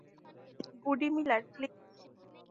গুডি Miller, please!